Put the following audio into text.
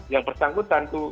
yang bersangkutan itu